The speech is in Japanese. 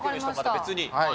別に。